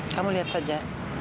kamu lihat saja